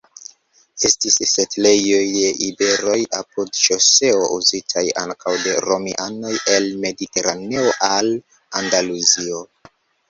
Estis setlejoj de iberoj apud ŝoseo uzitaj ankaŭ de romianoj el Mediteraneo al Andaluzio.